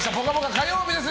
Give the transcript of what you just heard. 火曜日です。